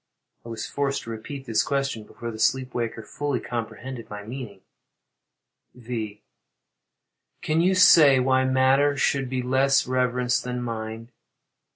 [I was forced to repeat this question before the sleep waker fully comprehended my meaning.] V. Can you say why matter should be less reverenced than mind?